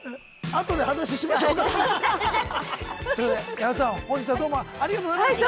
後で話しましょうか。ということで矢野さん本日はどうもありがとうございました。